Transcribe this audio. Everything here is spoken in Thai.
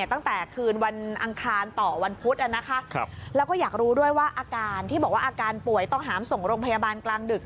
ตั้งแต่คืนวันอังคารต่อวันพุธแล้วก็อยากรู้ด้วยว่าอาการที่บอกว่าอาการป่วยต้องหามส่งโรงพยาบาลกลางดึก